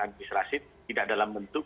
administrasi tidak dalam bentuk